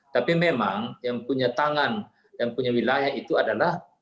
tapi memang yang punya tangan yang punya wilayah itu adalah